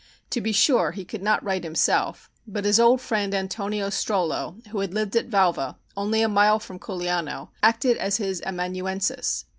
To be sure he could not write himself, but his old friend Antonio Strollo, who had lived at Valva, only a mile from Culiano, acted as his amanuensis.